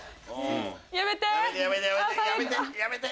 やめて！